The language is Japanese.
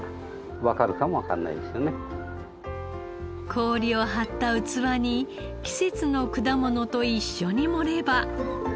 氷を張った器に季節の果物と一緒に盛れば。